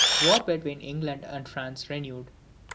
War between England and France renewed.